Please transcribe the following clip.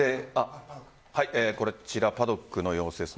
こちらパドックの様子です。